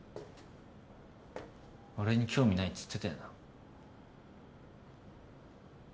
俺に興味ないっつってたよな？